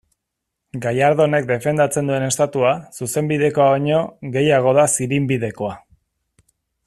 Gallardonek defendatzen duen Estatua, zuzenbidekoa baino, gehiago da zirinbidekoa.